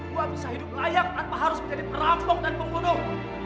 gua bisa hidup layak tanpa harus menjadi perampok dan penggodok